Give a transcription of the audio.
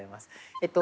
えっと